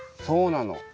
そうなの。